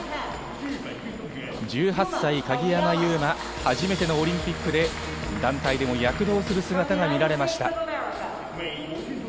１８歳、鍵山優真、初めてのオリンピックで団体でも躍動する姿が見られました。